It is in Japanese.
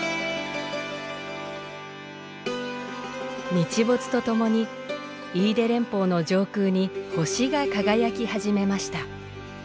日没とともに飯豊連峰の上空に星が輝き始めました。